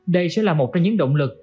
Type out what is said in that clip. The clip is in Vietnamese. đây sẽ là một trong những động lực